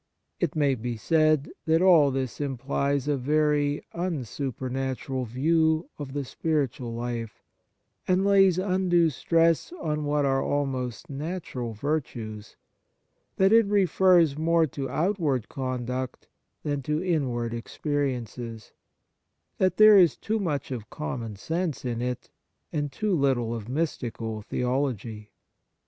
It may be said that all this implies a very unsupernatural view of the spiritual life, and lays undue stress on what are almost natural virtues, that it refers more to outward conduct than to inward experiences, that there is too much of common sense in it, and too little of mystical theology.